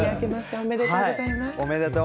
おめでとうございます。